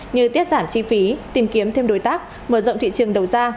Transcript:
như tiết giảm chi phí tìm kiếm thêm đối tác mở rộng thị trường đầu ra